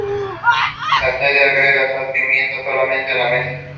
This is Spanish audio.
Se debe agregar sal y pimienta solamente en la mesa.